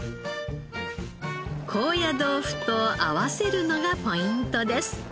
高野豆腐と合わせるのがポイントです。